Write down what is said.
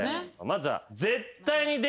まずは。